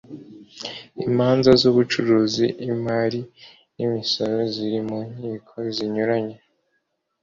imanza z ubucuruzi imari n’imisoro ziri mu nkiko zinyuranye